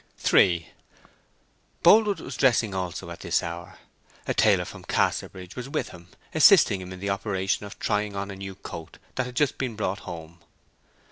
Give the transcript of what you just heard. III Boldwood was dressing also at this hour. A tailor from Casterbridge was with him, assisting him in the operation of trying on a new coat that had just been brought home.